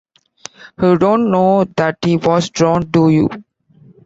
You don’t know that he was drowned, do you?